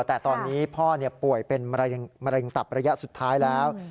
แต่ตอนนี้พ่อป่วยเป็นมะเร็งตับระยะสุดท้ายแล้ว